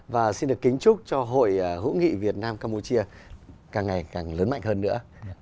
và xin được kính chúc cho hội hữu nghị việt nam campuchia càng ngày càng lớn mạnh hơn nữa